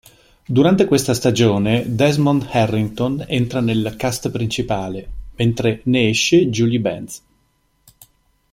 Durante questa stagione Desmond Harrington entra nel cast principale, mentre ne esce Julie Benz.